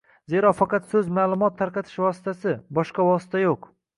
zero faqat so‘z maʼlumot tarqatish vositasi – boshqa vosita yo‘q.